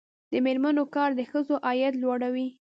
د میرمنو کار د ښځو عاید لوړوي.